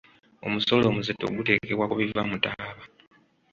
Omusolo omuzito guteekebwa ku biva mu taaba.